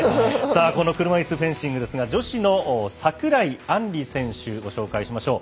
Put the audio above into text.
この、車いすフェンシングですが女子の櫻井杏里選手ご紹介しましょう。